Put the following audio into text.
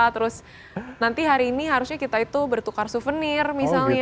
terus nanti hari ini harusnya kita itu bertukar souvenir misalnya